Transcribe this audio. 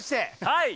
はい。